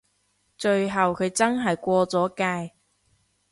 最後佢真係過咗界